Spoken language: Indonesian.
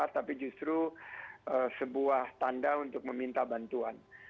tapi justru sebuah tanda untuk meminta bantuan